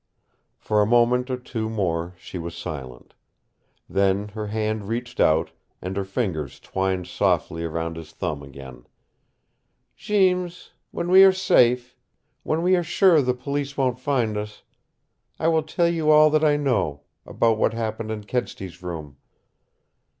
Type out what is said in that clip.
For a moment or two more she was silent. Then her hand reached out, and her fingers twined softly round his thumb again. "Jeems when we are safe when we are sure the Police won't find us I will tell you all that I know about what happened in Kedsty's room.